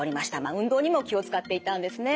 運動にも気を遣っていたんですね。